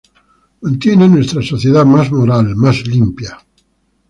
Mantiene nuestra sociedad más moral, más limpia".